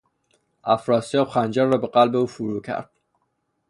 افراسیاب خنجر را به قلب او فرو کرد.